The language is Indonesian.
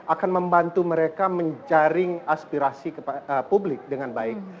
akan membantu mereka menjaring aspirasi publik dengan baik